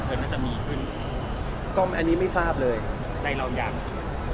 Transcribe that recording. แต่แค่ผมอาจจะไม่ใช่คนรักของเขาอาจจะเป็นแค่พี่